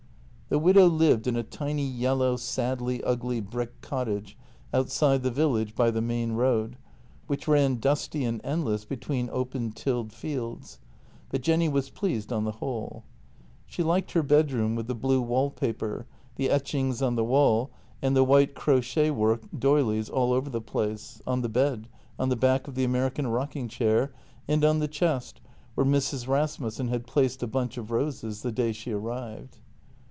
The widow lived in a tiny yellow, sadly ugly brick cottage outside the village by the main road, which ran dusty and endless between open tilled fields, but Jenny was pleased on the whole. She liked her bedroom with the blue wall paper, the etchings on the wall, and the white crochet work d'oyleys all over the place, on the bed, on the back of the American rocking chair, and on the chest, where Mrs. Rasmussen had placed a bunch of roses the day she arrived.